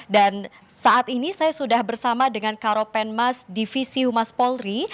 dan saat ini saya sudah bersama dengan karopenmas divisi humas polri